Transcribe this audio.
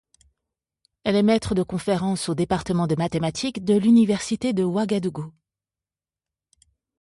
Elle est maître de conférences au département de mathématiques de l'université de Ouagadougou.